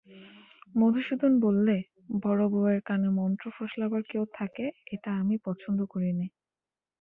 মধুসূদন বললে, বড়োবউয়ের কানে মন্ত্র ফোসলাবার কেউ থাকে এটা আমি পছন্দ করি নে।